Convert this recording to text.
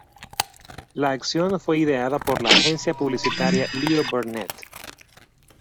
La acción fue ideada por la agencia publicitaria Leo Burnett.